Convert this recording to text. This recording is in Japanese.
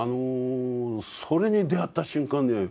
それに出会った瞬間ね